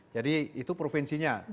jadi itu provinsinya